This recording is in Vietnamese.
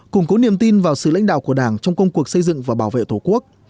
củng cố niềm tin vào sự lãnh đạo của đảng trong công cuộc xây dựng và bảo vệ tổ quốc